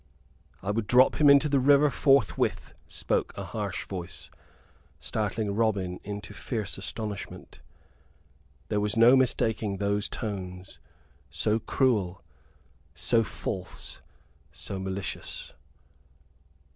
"I would drop him into the river forthwith," spoke a harsh voice, startling Robin into fierce astonishment. There was no mistaking those tones: so cruel, so false, so malicious.